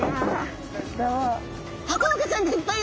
ハコフグちゃんがいっぱいいる！